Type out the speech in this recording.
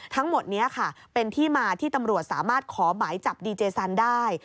ทั้งหมดนี้ค่ะเป็นที่มาที่ตำรวจสามารถขอหมายจับดีเจสันได้